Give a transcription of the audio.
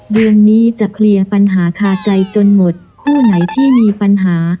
เดือนนี้จะเคลียร์ปัญหาคาใจจนหมดคู่ไหนที่มีปัญหา